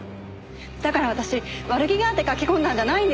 だから私悪気があって書き込んだんじゃないんです！